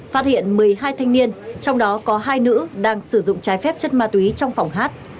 phát hiện một mươi hai thanh niên trong đó có hai nữ đang sử dụng trái phép chất ma túy trong phòng hát